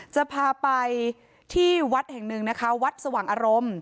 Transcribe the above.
จะพาไปที่วัดแห่งหนึ่งนะคะวัดสว่างอารมณ์